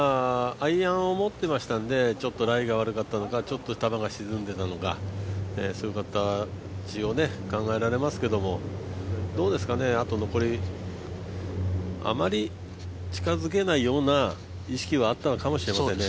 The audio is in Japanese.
アイアンを持っていましたので、ちょっとライが悪かったのか、ちょっと球が沈んでいたのかそういう形を考えられますけれども、あと残り、あまり近づけないような意識はあったのかもしれないですね。